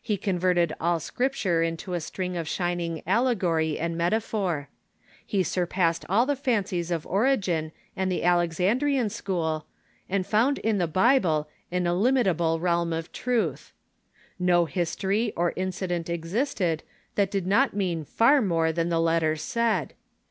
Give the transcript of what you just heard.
He converted all Scripture into a string of shining allegory and metaphor. He surpassed all the fancies of Origcn and the Alexandrian school, and found in the Bible an illimitable realm of truth. No history or incident existed that did not mean far more than the letter said.